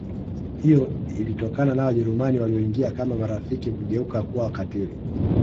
Hiyo ilitokana na Wajerumani walioingia kama marafiki kugeuka kuwa wakatiili